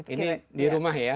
ini di rumah ya